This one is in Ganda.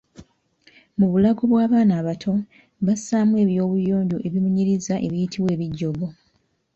Mu bulago bw’abaana abato, bassaamu eby’obuyonjo ebibunyiriza ebiyitibwa Ebijogo.